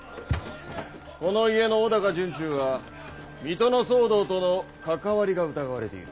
この家の尾高惇忠は水戸の騒動との関わりが疑われている。